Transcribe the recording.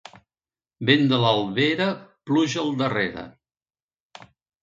Vent de l'Albera, pluja al darrere.